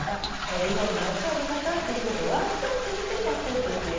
リフォームが分かる方ということをワンストップにしてサポートしていく。